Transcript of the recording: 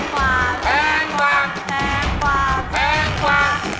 แทนกว่า